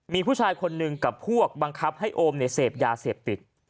มีผู้ชายคนหนึ่งกับพวกบังคับให้โอมเสพยาเสพติด